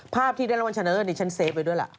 ภาพที่ได้รางวัลชนะเลิศดิฉันเซฟไว้ด้วยล่ะ